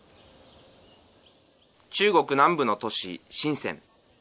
中国南部の都市、深セン。